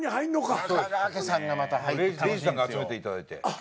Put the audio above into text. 礼二さんが集めていただいて。